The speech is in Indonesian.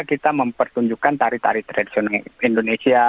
kita mempertunjukkan tari tari tradisional indonesia